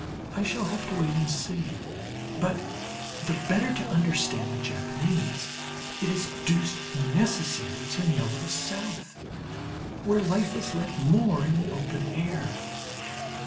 I shall have to wait and see; but the better to understand the Japanese it is deuced necessary to know the South, where life is led more in the open air.